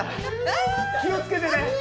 気をつけてね！